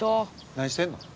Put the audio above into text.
何してんの？